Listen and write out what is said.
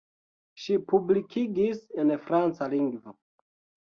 Ŝi publikigis en franca lingvo.